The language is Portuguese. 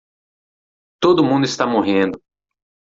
Todo mundo está morrendo